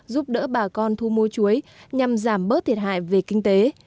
giúp đỡ bà con thu mua chuối nhằm giảm bớt thiệt hại về kinh tế